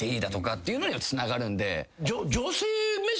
だとかっていうのにはつながるんで。